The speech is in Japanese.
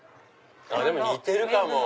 でも似てるかも。